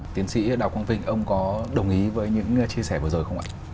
tiến sĩ đào quang vinh ông có đồng ý với những chia sẻ vừa rồi không ạ